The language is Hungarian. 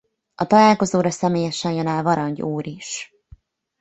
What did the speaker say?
A találkozóra személyesen jön el Varangy úr is.